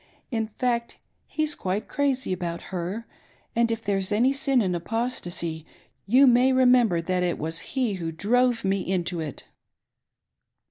In fact he's quite crazy about h«r, and if there's any sin in apostacy, you may remember that it was he who drove me iiito it."